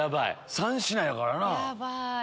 ３品やからな。